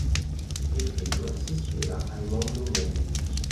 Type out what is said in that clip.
Il film si ispira ai mondo movie.